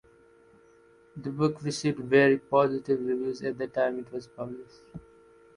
The book received very positive reviews at the time it was published.